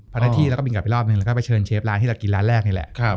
หน้าที่แล้วก็บินกลับไปรอบหนึ่งแล้วก็ไปเชิญเชฟร้านที่เรากินร้านแรกนี่แหละ